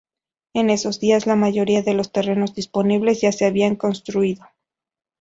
En esos días la mayoría de los terrenos disponibles ya se habían construido.